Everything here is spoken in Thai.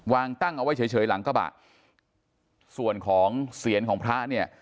วางตั้งเอาไว้เฉยเฉยหลังกระบะส่วนของเสียนของพระเนี่ย